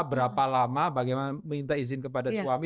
berapa lama bagaimana minta izin kepada suami